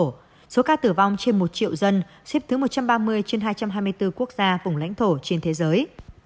tổng số ca tử vong trên một triệu dân xếp thứ hai mươi sáu trên bốn mươi chín quốc gia vùng lãnh thổ trên thế giới